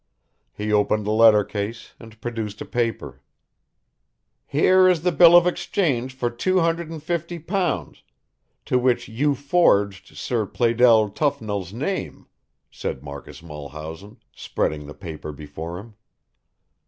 He opened the letter case and produced a paper. "Here is the bill of exchange for two hundred and fifty pounds, to which you forged Sir Pleydell Tuffnell's name," said Marcus Mulhausen, spreading the paper before him.